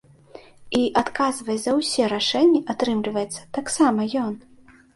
І адказвае за ўсе рашэнні, атрымліваецца, таксама ён.